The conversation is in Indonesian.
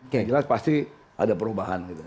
yang jelas pasti ada perubahan gitu